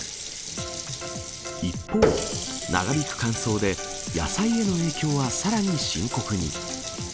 一方、長引く乾燥で、野菜への影響はさらに深刻に。